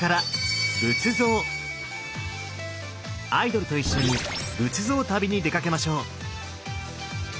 アイドルと一緒に仏像旅に出かけましょう。